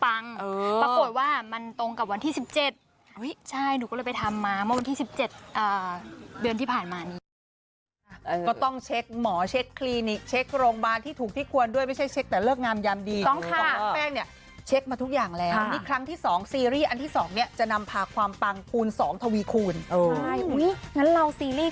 ปรากฏว่ามันตรงกับวันที่๑๗หนูก็เลยไปทำมาวันที่๑๗เดือนที่ผ่านมา